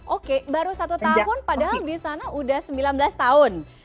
oke baru satu tahun padahal di sana sudah sembilan belas tahun